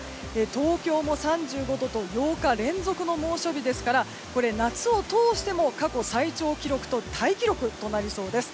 東京も３５度と８日連続の猛暑日ですから夏を通しても過去最長タイ記録となりそうです。